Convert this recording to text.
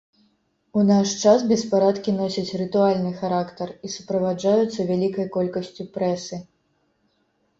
У наш час беспарадкі носяць рытуальны характар і суправаджаюцца вялікай колькасцю прэсы.